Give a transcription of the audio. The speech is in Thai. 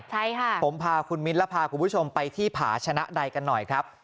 ใช่ค่ะผมพาคุณมิ้นและพาคุณผู้ชมไปที่ผาชนะใดกันหน่อยครับ